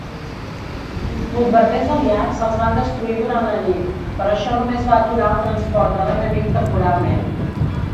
Bombarders aliats els van destruir durant la nit, però això només va aturar el transport de l'enemic temporalment.